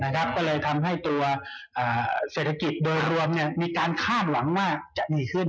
ก็เลยทำให้ตัวเศรษฐกิจโดยรวมมีการคาดหวังว่าจะดีขึ้น